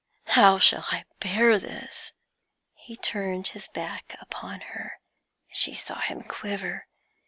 How shall I bear this?' He turned his back upon her; she saw him quiver.